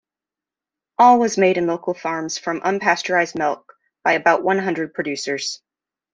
All was made in local farms from unpasteurized milk by about one hundred producers.